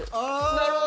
なるほど！